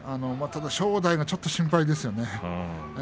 ただ正代ちょっと心配ですね。